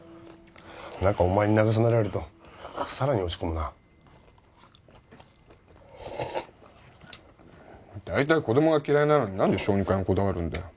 何かお前になぐさめられるとさらに落ち込むなだいたい子どもが嫌いなのに何で小児科にこだわるんだよ？